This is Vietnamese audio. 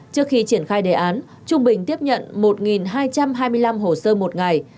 trước khi triển khai đề án trung bình tiếp nhận một hai trăm hai mươi năm hồ sơ một ngày